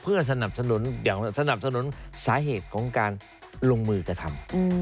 เพื่อสนับสนุนสาเหตุของการลงมือกระทำ